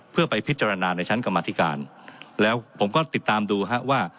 เพื่อไปพิจารณาในชั้นกรรมธิการแล้วผมก็ติดตามดูฮะว่า